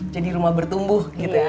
jadi rumah bertumbuh gitu ya